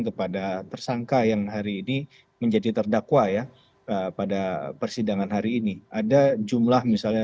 kepada tersangka yang hari ini menjadi terdakwa ya pada persidangan hari ini ada jumlah misalnya